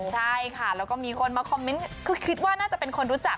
ใช่ค่ะแล้วก็มีคนมาคอมเมนต์คือคิดว่าน่าจะเป็นคนรู้จัก